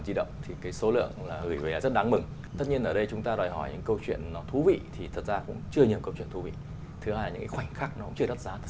di động là một cái phương tiện thì máy ảnh to